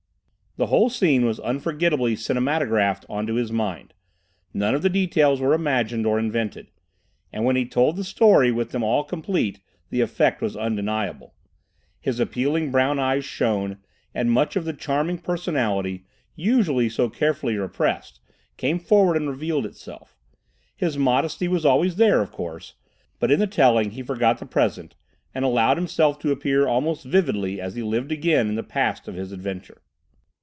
The whole scene was unforgettably cinematographed on to his mind. None of the details were imagined or invented. And when he told the story with them all complete, the effect was undeniable. His appealing brown eyes shone, and much of the charming personality, usually so carefully repressed, came forward and revealed itself. His modesty was always there, of course, but in the telling he forgot the present and allowed himself to appear almost vividly as he lived again in the past of his adventure.